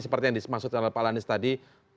seperti yang disemaksudkan oleh pak landis tadi